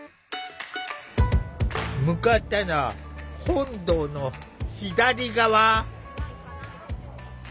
向かったのは本堂の左側。